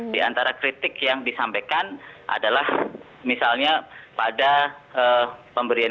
di antara kritik yang disampaikan adalah misalnya pada pemberian